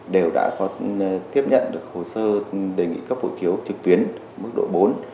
đều đã có tiếp nhận được hồ sơ đề nghị cấp hộ chiếu trực tuyến mức độ bốn